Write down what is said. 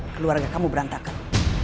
keluarga kamu berantakan